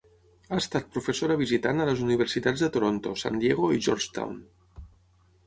Ha estat professora visitant a les universitats de Toronto, San Diego i Georgetown.